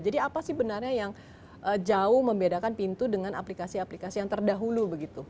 jadi apa sih benarnya yang jauh membedakan pintu dengan aplikasi aplikasi yang terdahulu begitu